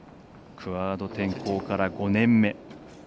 クアード転向から５年目。